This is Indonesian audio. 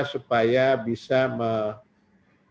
supaya bisa menghasilkan